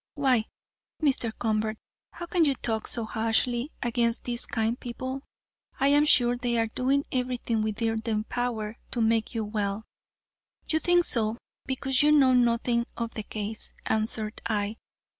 "Why, Mr. Convert, how can you talk so harshly against these kind people? I am sure they are doing everything within their power to make you well." "You think so because you know nothing of the case," answered I.